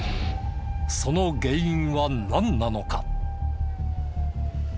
その原因はなんなのか？